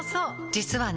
実はね